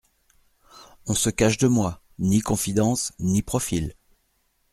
On se cache de moi : ni confidences, ni profils.